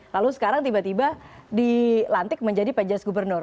lalu sekarang tiba tiba dilantik menjadi pjs gubernur